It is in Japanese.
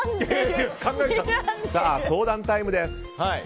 相談タイムです。